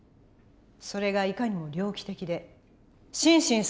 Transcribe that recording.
それがいかにも猟奇的で心神